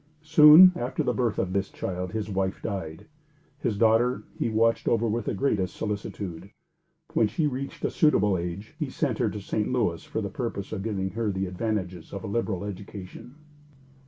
Soon after the birth of this child, his wife died. His daughter, he watched over with the greatest solicitude. When she reached a suitable age, he sent her to St. Louis for the purpose of giving her the advantages of a liberal education.